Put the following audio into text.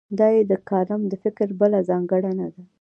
دا یې د کالم د فکر بله ځانګړنه ده.